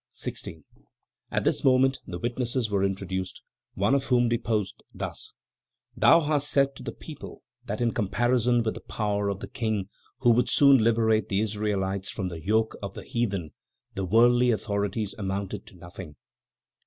'" 16. At this moment the witnesses were introduced; one of whom deposed thus: "Thou hast said to the people that in comparison with the power of the king who would soon liberate the Israelites from the yoke of the heathen, the worldly authorities amounted to nothing."